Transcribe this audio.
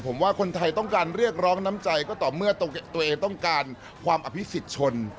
ผมว่าคนไทยต้องการเรียกร้องน้ำใจก็ต่อเมื่อตัวเองต้องการความอภิษฎชน